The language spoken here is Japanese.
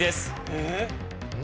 えっ？